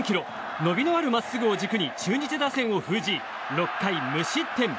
伸びのあるまっすぐを軸に中日打線を封じ６回無失点。